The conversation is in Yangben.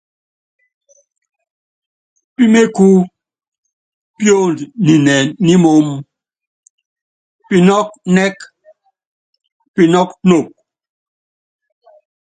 Píméku píond ninɛ nímoóm, pinɔ́k nɛ́k pinɔ́k nok.